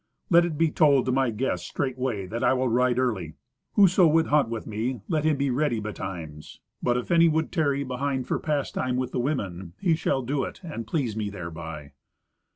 "Let it be told to my guests straightway that I will ride early. Whoso would hunt with me, let him be ready betimes. But if any would tarry behind for pastime with the women, he shall do it, and please me thereby."